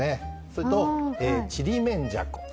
それと、ちりめんじゃこ。